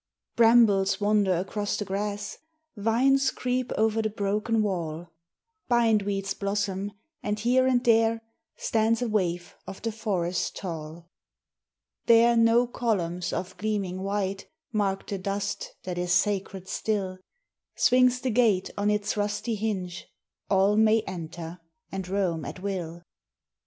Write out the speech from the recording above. Brambles wander across the grass, Vines creep over the broken wall, Bindweeds blossom, and here and there Stands a waif of the forest tall. There no columns of gleaming white Mark the dust that is sacred still; Swings the gate on its rusty hinge All may enter and roam at will.